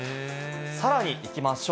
さらにいきましょう。